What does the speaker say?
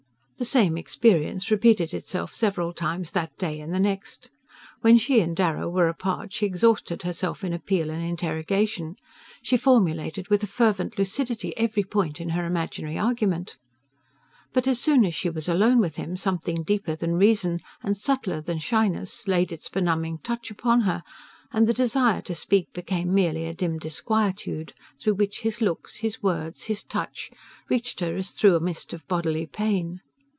The same experience repeated itself several times that day and the next. When she and Darrow were apart she exhausted herself in appeal and interrogation, she formulated with a fervent lucidity every point in her imaginary argument. But as soon as she was alone with him something deeper than reason and subtler than shyness laid its benumbing touch upon her, and the desire to speak became merely a dim disquietude, through which his looks, his words, his touch, reached her as through a mist of bodily pain.